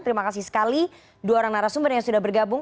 terima kasih sekali dua orang narasumber yang sudah bergabung